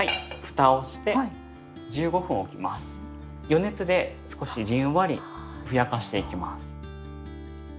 余熱で少しじんわりふやかしていきます。